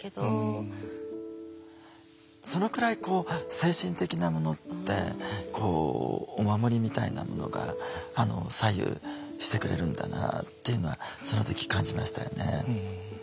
そのくらいこう精神的なものってお守りみたいなものが左右してくれるんだなっていうのはその時感じましたよね。